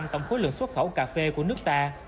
tổng khối lượng xuất khẩu cà phê của nước ta